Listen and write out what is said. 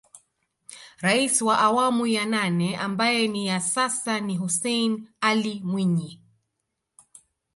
Rais wa awamu ya nane ambaye ni ya sasa ni Hussein Ally Mwinyi